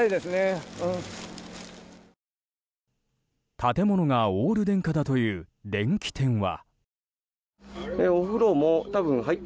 建物がオール電化だという電器店は。